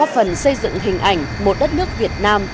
phần xây dựng hình ảnh một đất nước việt nam